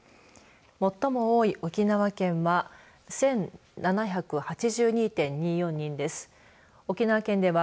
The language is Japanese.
最も多い沖縄県は１７８２．２４